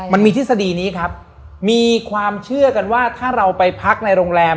ทฤษฎีนี้ครับมีความเชื่อกันว่าถ้าเราไปพักในโรงแรม